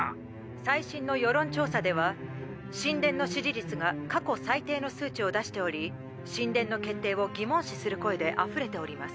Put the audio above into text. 最新の世論調査では神殿の支持率が過去最低の数値を出しており神殿の決定を疑問視する声であふれております。